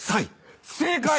正解。